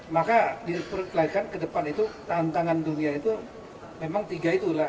maka diperkirakan ke depan itu tantangan dunia itu memang tiga itulah